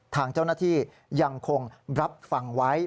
ทางเจ้าหน้าที่ยังคงรับฟังไว้